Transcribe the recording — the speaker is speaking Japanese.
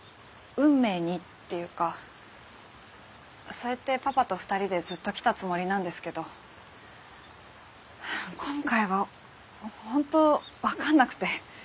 そうやってパパと２人でずっときたつもりなんですけど今回は本当分かんなくて。